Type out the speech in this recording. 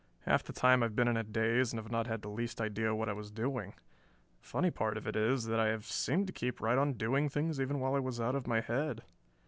Half the time I have been in a daze and have not had the least idea what I was doing. Funny part of it is that I have seemed to keep right on doing things even while I was out of my head."